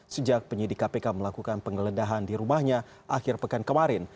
sejak penyidik kpk melakukan penggeledahan di rumahnya akhir pekan kemarin